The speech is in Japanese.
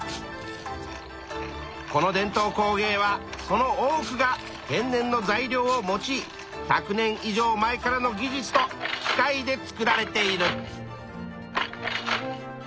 この伝統工芸はその多くが天然の材料を用い１００年以上前からの技術と機械で作られている。